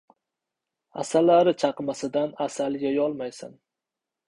• Asalari chaqmasidan asal yeyolmaysan.